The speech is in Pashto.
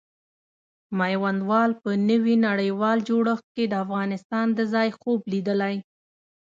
میوندوال په نوي نړیوال جوړښت کې د افغانستان د ځای خوب لیدلی.